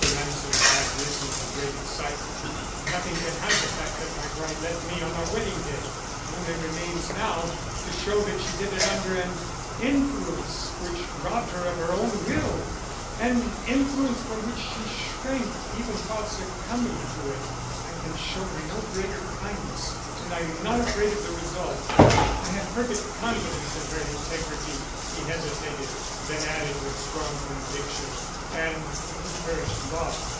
Ransom had risen in great excitement. "Nothing can hide the fact that my bride left me on our wedding day. It only remains now to show that she did it under an influence which robbed her of her own will; an influence from which she shrank even while succumbing to it. I can show her no greater kindness, and I am not afraid of the result. I have perfect confidence in her integrity" he hesitated, then added with strong conviction "and in her love."